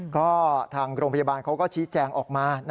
ก็ทางโรงพยาบาลเขาก็ชี้แจงออกมา